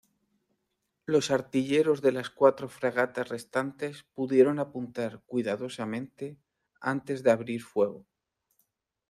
Los artilleros de las cuatro fragatas restantes pudieron apuntar cuidadosamente antes de abrir fuego.